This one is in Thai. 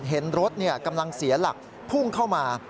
เห็นรถกำลังเสียหลักพุ่งเข้ามา